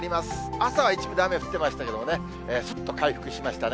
朝は一部で雨降ってましたけどね、すっと回復しましたね。